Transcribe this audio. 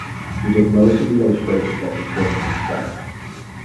He did most of the illustrations of his books himself.